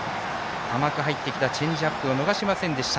甘く入ってきたチェンジアップを逃しませんでした。